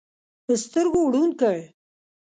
سترګو ړوند کړ.